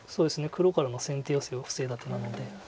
黒からの先手ヨセを防いだ手なので。